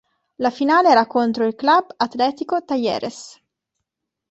La finale era contro il Club Atlético Talleres.